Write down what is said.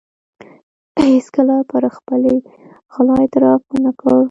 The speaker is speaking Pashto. هېڅکله پر خپلې غلا اعتراف و نه کړ.